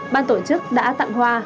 ban tổ chức đã tặng hoa